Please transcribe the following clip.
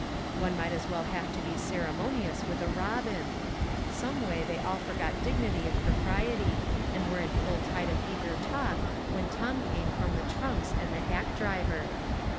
One might as well have to be ceremo nious with a robin. Some way they all forgot dignity and propriety, and were in full tide of eager talk when Tom came from the trunks and the hack driver.